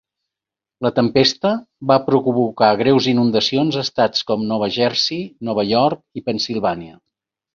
La tempesta va provocar greus inundacions a estats com Nova Jersey, Nova York i Pennsilvània.